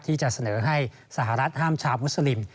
ที่จะเสนอให้สหรัฐห้ามชาวมุสลิม